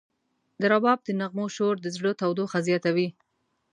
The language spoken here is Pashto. د رباب د نغمو شور د زړه تودوخه زیاتوي.